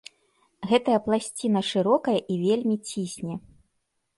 Гэтая пласціна шырокая і вельмі цісне.